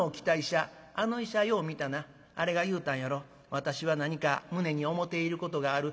私は何か胸に思ていることがある。